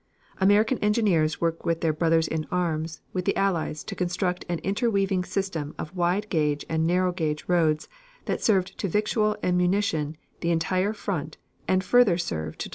American engineers worked with their brothers in arms with the Allies to construct an inter weaving system of wide gauge and narrow gauge roads that served to victual and munition the entire front and further serve to deliver at top speed whole army corps.